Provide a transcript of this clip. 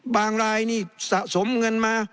บางลายนี่สะสมเงินมา